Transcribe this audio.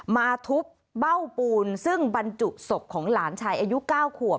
มาทุบเบ้าปูนซึ่งบรรจุศพของหลานชายอายุ๙ขวบ